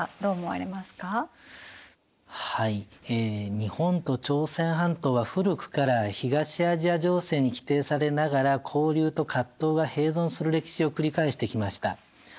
日本と朝鮮半島は古くから東アジア情勢に規定されながら交流と葛藤が併存する歴史を繰り返してきました。